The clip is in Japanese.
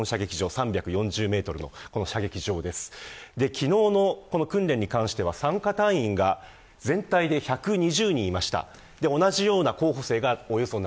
昨日の訓練に関しては参加隊員が全体で１２０人いました。